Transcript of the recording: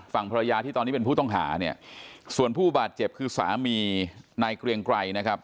ฝั่งภรรยาที่ตอนนี้เป็นผู้ต้องหาเนี่ยส่วนผู้บาดเจ็บคือสามีนายเกรียงไกรนะครับ